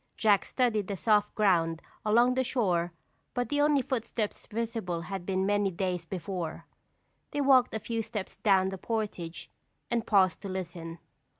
Jack studied the soft ground along the shore but the only footsteps visible had been made many days before. They walked a few steps down the portage and paused to listen.